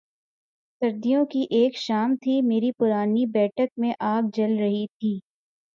سردیوں کی ایک شام تھی، میری پرانی بیٹھک میں آگ جل رہی تھی۔